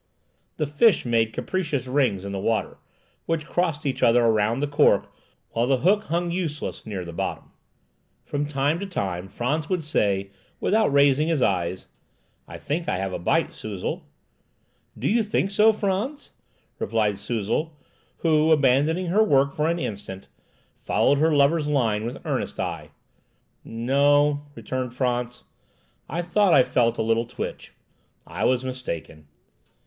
The fish made capricious rings in the water, which crossed each other around the cork, while the hook hung useless near the bottom. From time to time Frantz would say, without raising his eyes,— "I think I have a bite, Suzel." "Do you think so, Frantz?" replied Suzel, who, abandoning her work for an instant, followed her lover's line with earnest eye. "N no," resumed Frantz; "I thought I felt a little twitch; I was mistaken."